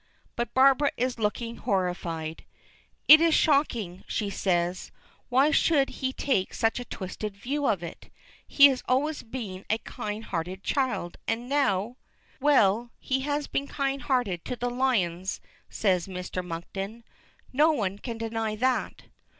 But Barbara is looking horrified. "It is shocking," she says. "Why should he take such a twisted view of it. He has always been a kind hearted child; and now " "Well. He has been kind hearted to the lions," says Mr. Monkton. "No one can deny that."